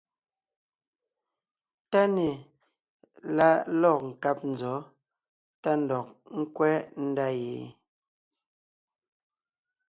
TÁNÈ la lɔ̂g nkáb nzɔ̌ tá ndɔg ńkwɛ́ ndá ye?